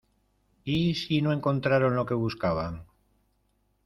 ¿ y si no encontraron lo que buscaban?